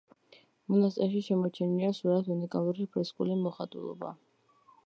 მონასტერში შემორჩენილია სრულიად უნიკალური ფრესკული მოხატულობა.